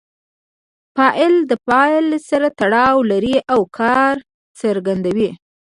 فاعل د فعل سره تړاو لري او کار ئې څرګندوي.